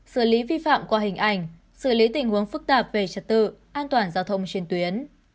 xử lý vi phạm qua hình ảnh xử lý tình huống phức tạp về trật tự an toàn giao thông trên tuyến